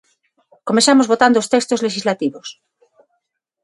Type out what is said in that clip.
Comezamos votando os textos lexislativos.